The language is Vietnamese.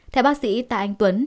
theo bác sĩ tạ anh tuấn